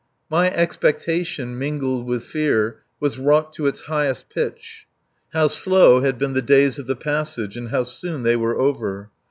My expectation, mingled with fear, was wrought to its highest pitch. How slow had been the days of the passage and how soon they were over.